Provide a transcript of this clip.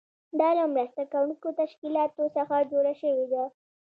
دا له مرسته کوونکو تشکیلاتو څخه جوړه شوې ده.